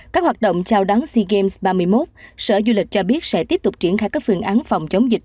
các hoạt động chào đón sea games ba mươi một sở du lịch cho biết sẽ tiếp tục triển khai các phương án phòng chống dịch